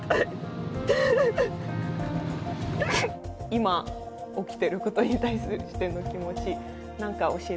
今起きてることに対しての気持ち何か教えてください。